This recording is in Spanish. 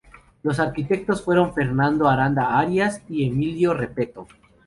Los arquitectos fueron Fernando Aranda Arias y Emilio Repetto.